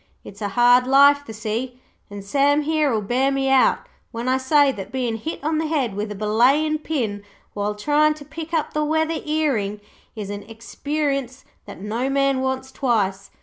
It's a hard life, the sea, and Sam here'll bear me out when I say that bein' hit on the head with a belayin' pin while tryin' to pick up the weather earing is an experience that no man wants twice.